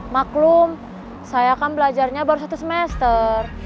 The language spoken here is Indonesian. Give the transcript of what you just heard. maklum saya kan belajarnya baru satu semester